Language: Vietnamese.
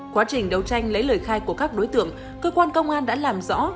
quá trình đấu tranh lấy lời khai của các đối tượng cơ quan công an đã làm rõ